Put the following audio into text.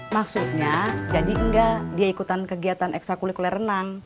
maksudnya jadi enggak dia ikutan kegiatan ekstra kulikuler renang